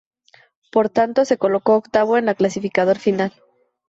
Por tanto, se colocó octavo en la clasificador final.